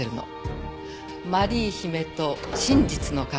『マリー姫と真実の鏡』